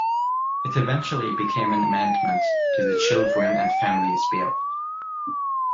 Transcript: It eventually became an amendment to the Children and Families Bill.